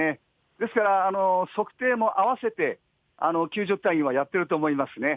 ですから、測定も併せて救助隊員はやってると思いますね。